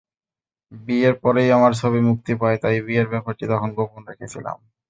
বিয়ের পরই আমার ছবি মুক্তি পায়, তাই বিয়ের ব্যাপারটি তখন গোপন করেছিলাম।